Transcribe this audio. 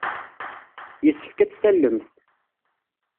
Yessefk ad tt-tallemt.